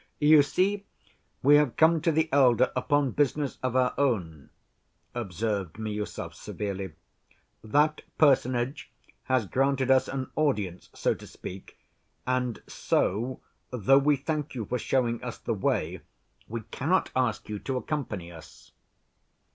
"You see, we have come to the elder upon business of our own," observed Miüsov severely. "That personage has granted us an audience, so to speak, and so, though we thank you for showing us the way, we cannot ask you to accompany us."